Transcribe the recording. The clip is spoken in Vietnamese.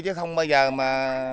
chứ không bao giờ mà